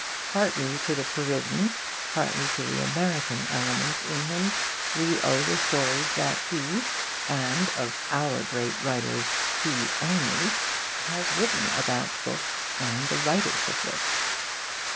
Partly to the Parisian, partly to the American element in him we owe the stories that he, and of 'our' great writers he only, has written about books and the writers of books.